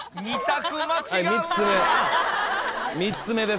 ３つ目。